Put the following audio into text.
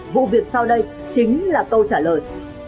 vụ việc sau đây chính là câu trả lời